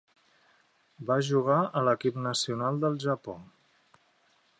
Va jugar a l'equip nacional del Japó.